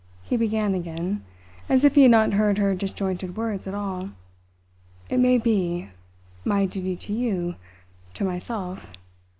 he began again, as if he had not heard her disjointed words at all. "It may be my duty to you, to myself.